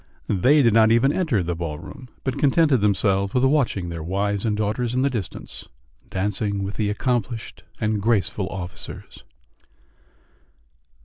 They did not even enter the ball room, but contented themselves with watching their wives and daughters in the distance dancing with the accomplished and graceful officers.